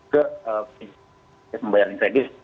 ke pembayaran kredit